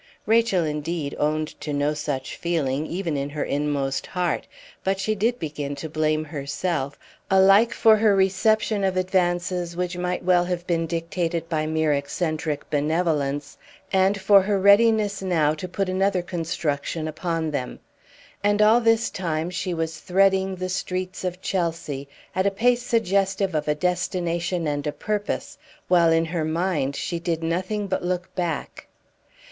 Rachel, indeed, owned to no such feeling, even in her inmost heart. But she did begin to blame herself, alike for her reception of advances which might well have been dictated by mere eccentric benevolence, and for her readiness now to put another construction upon them. And all this time she was threading the streets of Chelsea at a pace suggestive of a destination and a purpose, while in her mind she did nothing but look back.